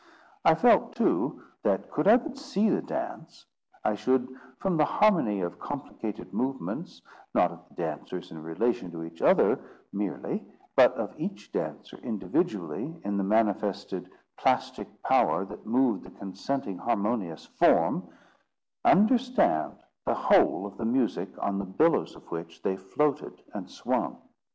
I felt, too, that could I but see the dance, I should, from the harmony of complicated movements, not of the dancers in relation to each other merely, but of each dancer individually in the manifested plastic power that moved the consenting harmonious form, understand the whole of the music on the billows of which they floated and swung.